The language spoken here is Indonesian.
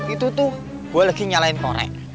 itu tuh gue lagi nyalain korek